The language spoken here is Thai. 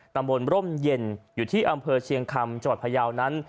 ตะโมนร่มเย็นอยู่ที่อำเภอเชียงคำจับพญาวนั้น